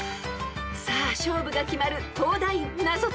［さあ勝負が決まる東大ナゾトレ］